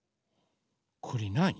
これなに？